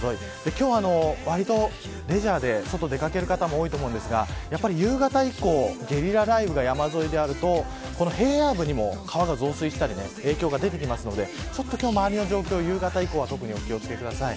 今日はわりと、レジャーで外に出掛ける方も多いと思うんですが夕方以降ゲリラ雷雨が山沿いであると平野部にも川が増水したり影響が出てくるのでちょっと今日、周りの状況に夕方以降はお気を付けください。